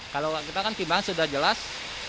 kalau kita kan timbangan sudah jelas